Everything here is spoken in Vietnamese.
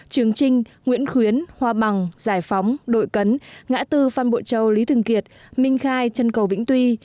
trường trinh nguyễn khuyến hoa bằng giải phóng đội cấn ngã tư phan bộ châu lý thường kiệt minh khai chân cầu vĩnh tuy